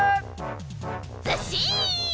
ずっしん！